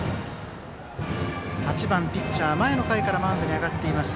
８番ピッチャー、前の回からマウンドに上がっています